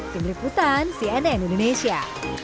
tim liputan cnn indonesia